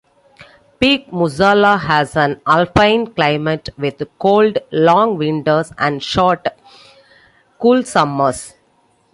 Peak Musala has an alpine climate with cold, long winters and short, cool summers.